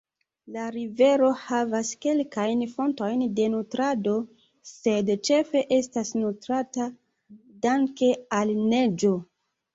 La rivero havas kelkajn fontojn de nutrado, sed ĉefe estas nutrata danke al neĝo.